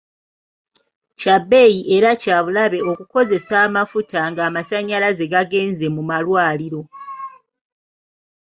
Kya bbeeyi era kya bulabe okukozesa amafuta ng'amasannyalaze gagenze mu malwaliro.